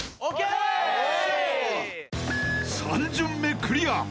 ［３巡目クリア。